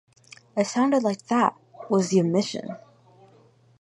"It sounded like that," was the admission.